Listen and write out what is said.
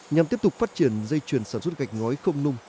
nhằm tiếp tục phát triển dây chuyền sản xuất gạch ngói không nung